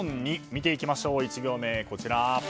見ていきましょう、１行目。